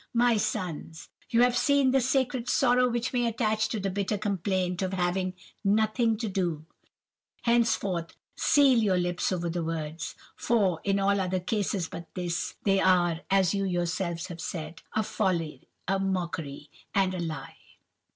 'My sons, you have seen the sacred sorrow which may attach to the bitter complaint of having Nothing to do. Henceforth seal your lips over the words, for, in all other cases but this, they are, as you yourselves have said, a folly, a mockery, and a lie.